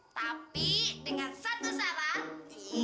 tapi dengan satu saran